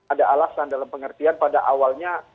ada alasan dalam pengertian pada awalnya